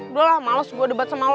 udah lah males gue debat sama lo